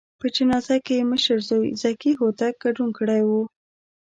په جنازه کې یې مشر زوی ذکي هوتک ګډون کړی و.